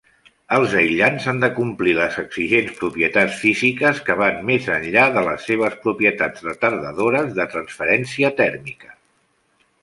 Els aïllants han de complir les exigents propietats físiques que van més enllà de les seves propietats retardadores de transferència tèrmica.